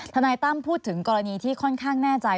ทนายตั้มพูดถึงกรณีที่ค่อนข้างแน่ใจ